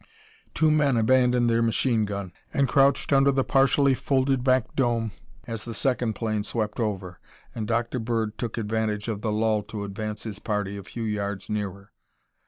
Two men abandoned their machine gun and crouched under the partially folded back dome as the second plane swept over, and Dr. Bird took advantage of the lull to advance his party a few yards nearer.